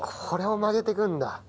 これを曲げてくんだ。